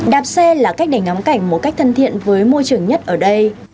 đạp xe là cách để ngắm cảnh một cách thân thiện với môi trường nhất ở đây